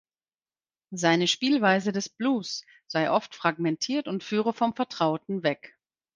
Seine Spielweise des Blues sei oft fragmentiert und führe vom Vertrauten weg.